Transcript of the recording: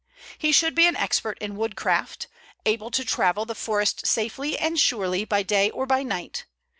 He should be an expert in woodcraft, able to travel the forest safely and surely by day or by night.